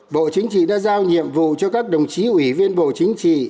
bộ chính trị đã giao nhiệm vụ cho các đồng chí ủy viên bộ chính trị